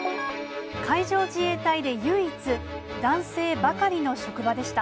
海上自衛隊で唯一、男性ばかりの職場でした。